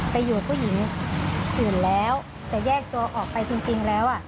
ไปอยู่ผู้หญิงอื่นแล้วจะแยกตัวออกไปจริงแล้ว